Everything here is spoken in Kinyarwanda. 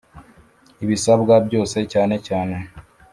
Ibisabwa byose cyanecyane